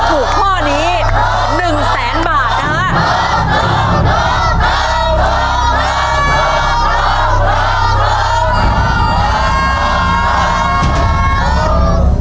ถ้าถูกข้อนี้๑แสนบาทนะคะ